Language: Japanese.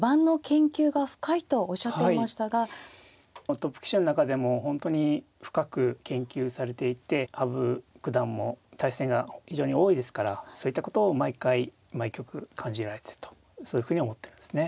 トップ棋士の中でも本当に深く研究されていて羽生九段も対戦が非常に多いですからそういったことを毎回毎局感じられてるとそういうふうに思ってるんですね。